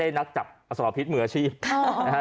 ไหนทั้งจบอสรพิษเหมืออาชีพ